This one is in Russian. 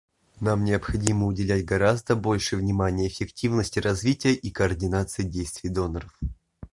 Нам необходимо уделять гораздо больше внимания эффективности развития и координации действий доноров.